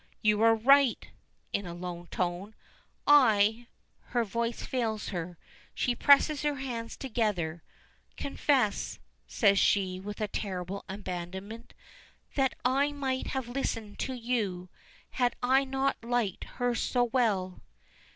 "You are right!" (in a low tone) "I " Her voice fails her, she presses her hands together. "I confess," says she, with terrible abandonment, "that I might have listened to you had I not liked her so well."